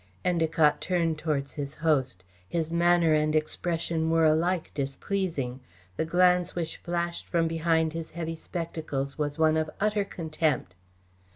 Endacott turned towards his host. His manner and expression were alike displeasing. The glance which flashed from behind his heavy spectacles was one of utter contempt.